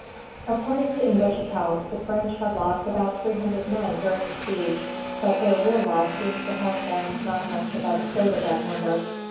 According to English accounts, the French had lost about three hundred men during the siege; but their real loss seems to have been not much above a third of that number.